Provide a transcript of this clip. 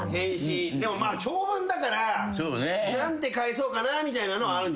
でも長文だから何て返そうかなみたいなのはあるんじゃない？